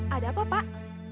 ada apa pak